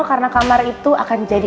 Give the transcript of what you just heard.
karena kamar itu akan jadi